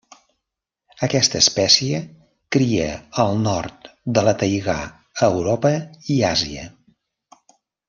Aquesta espècie cria al nord de la taigà a Europa i Àsia.